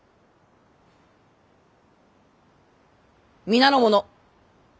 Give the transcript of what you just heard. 皆の者